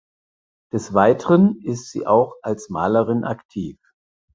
Des Weiteren ist sie auch als Malerin aktiv.